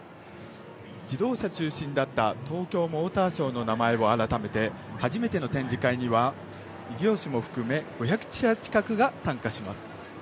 自動車中心だった東京モーターショーの名前を改めて初めての展示会には異業種も含め５００社近くが参加します。